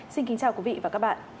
xin kính chào quý vị và các bạn